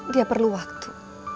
dia perlu waktu